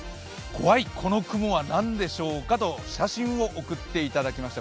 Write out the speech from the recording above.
怖いこの雲はなんでしょうかと写真を送っていただきました。